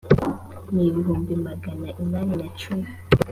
n ibihumbi magana inani na cumi